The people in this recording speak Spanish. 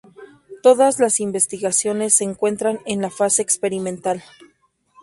Todas las investigaciones se encuentran en la fase experimental.